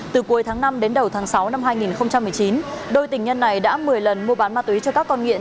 từ cuối tháng năm đến đầu tháng sáu năm hai nghìn một mươi chín đôi tình nhân này đã một mươi lần mua bán ma túy cho các con nghiện